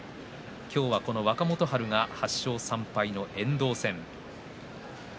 今日はこの若元春が８勝３敗の遠藤戦。